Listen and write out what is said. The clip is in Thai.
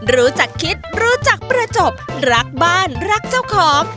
รู้จักคิดรู้จักประจบรักบ้านรักเจ้าของ